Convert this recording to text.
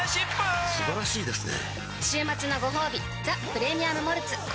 素晴らしいですね